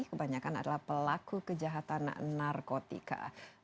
kebanyakan adalah pelaku kejahatan narkotika